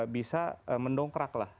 bisa mendongkrak lah